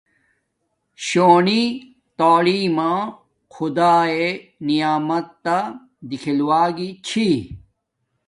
شونی تعلیم ما خدا یعمت تا دیکھل و گی چھی